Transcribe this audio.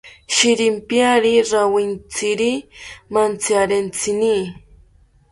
Shiripiari rawintziri mantziarentsini